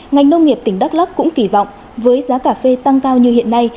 ngành nông nghiệp tỉnh đắk lắc cũng kỳ vọng với giá cà phê tăng cao như hiện nay